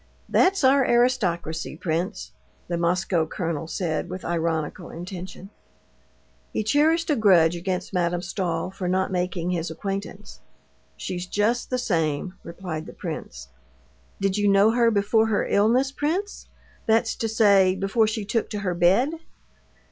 "That's our aristocracy, prince!" the Moscow colonel said with ironical intention. He cherished a grudge against Madame Stahl for not making his acquaintance. "She's just the same," replied the prince. "Did you know her before her illness, prince—that's to say before she took to her bed?"